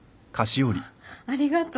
わあありがとう。